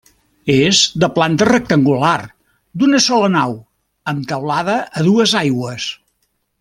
És de planta rectangular, d'una sola nau, amb teulada a dues aigües.